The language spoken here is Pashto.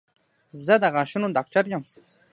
زه د غاښونو ډاکټر یم